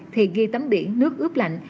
thì ghi tấm điển nước ướp lạnh